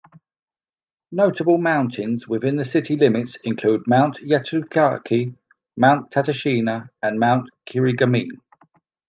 Notable mountains within the city limits include Mount Yatsugatake, Mount Tateshina and Mount Kirigamine.